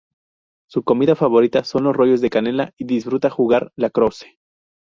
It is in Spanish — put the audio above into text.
Su comida favorita son los rollos de canela y disfruta jugar lacrosse.